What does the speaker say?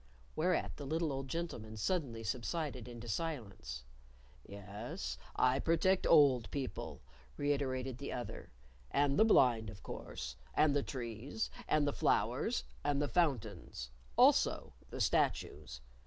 Whereat the little old gentleman suddenly subsided into silence. "Yes, I protect old people," reiterated the other, "and the blind, of course, and the trees and the flowers and the fountains. Also, the statues.